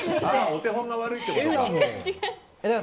お手本が悪いってことか。